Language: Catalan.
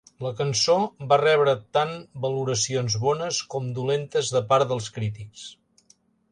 La cançó va rebre tant valoracions bones com dolentes de part dels crítics.